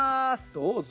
どうぞ！